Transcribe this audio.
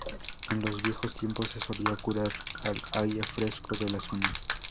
En los viejos tiempos se solía curar al aire fresco de la zona.